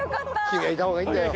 君はいた方がいいんだよ